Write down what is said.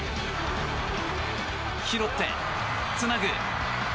拾って、つなぐ。